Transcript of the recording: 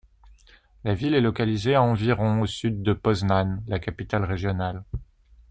La ville est localisée à environ au sud-ouest de Poznań, la capitale régionale.